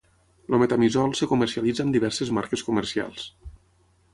El metamizol es comercialitza amb diverses marques comercials.